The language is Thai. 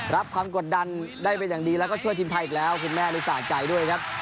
รับความกดดันได้เป็นอย่างดีแล้วก็ช่วยทีมไทยอีกแล้วคุณแม่นี่สะใจด้วยครับ